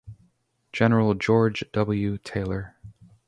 General George W. Taylor.